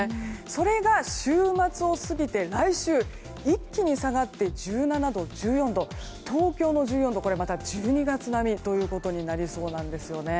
それが週末を過ぎて来週一気に下がって１７度、１４度東京の１４度はまた１２月並みとなりそうなんです。